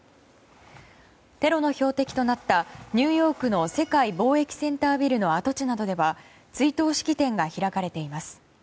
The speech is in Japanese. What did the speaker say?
テロの標的となったニューヨークの世界貿易センタービルの跡地などでは追悼式典が開かれています。